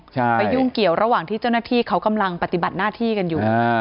ไปยุ่งเกี่ยวระหว่างที่เจ้าหน้าที่เขากำลังปฏิบัติหน้าที่กันอยู่